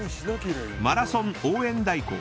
マラソン応援代行。